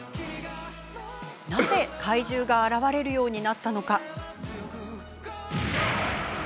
なぜ、禍威獣が現れるようになったのか？